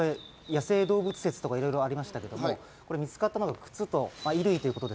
野生動物説とかいろいろありましたけど、見つかったのが靴と衣類。